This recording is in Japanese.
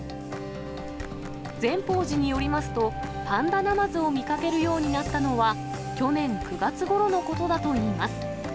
善宝寺によりますと、パンダナマズを見かけるようになったのは、去年９月ごろのことだといいます。